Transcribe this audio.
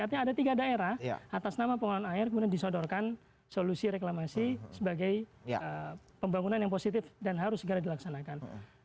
artinya ada tiga daerah atas nama pengelolaan air kemudian disodorkan solusi reklamasi sebagai pembangunan yang positif dan harus segera dilaksanakan